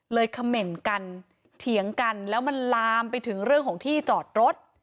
เขม่นกันเถียงกันแล้วมันลามไปถึงเรื่องของที่จอดรถ